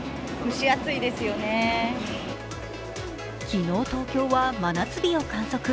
昨日、東京は真夏日を観測。